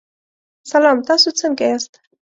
سلام، تاسو څنګه یاست؟